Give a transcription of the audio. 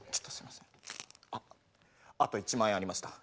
ああと１万円ありました。